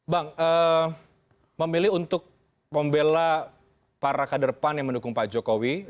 bang memilih untuk membela para kader pan yang mendukung pak jokowi